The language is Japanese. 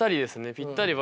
ぴったり。